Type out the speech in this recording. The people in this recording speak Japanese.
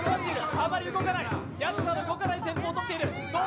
あまり動かない、屋敷さんが動かない戦法をとっている。